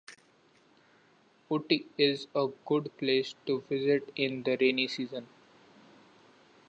Ooty is a good place to visit in the rainy season.